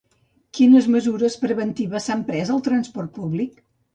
Quines mesures preventives s'han pres al transport públic?